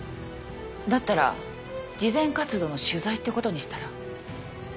だったら慈善活動の取材ってことにしたら？